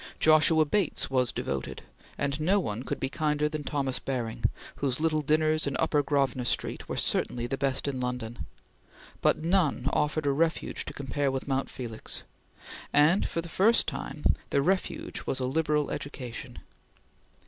Joshua Bates was devoted, and no one could be kinder than Thomas Baring, whose little dinners in Upper Grosvenor Street were certainly the best in London; but none offered a refuge to compare with Mount Felix, and, for the first time, the refuge was a liberal education.